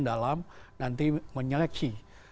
dalam nanti menyeleksi